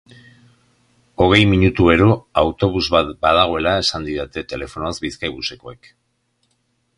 Hogei minutuero autobus bat badagoela esan didaten telefonoz Bizkaibusekoek.